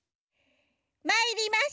まいります！